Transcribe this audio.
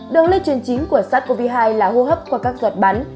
đường lây truyền chính của sars cov hai là hô hấp qua các giọt bắn